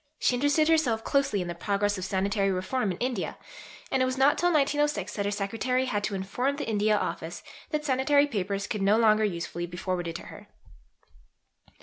She interested herself closely in the progress of sanitary reform in India, and it was not till 1906 that her secretary had to inform the India Office that Sanitary Papers could no longer usefully be forwarded to her.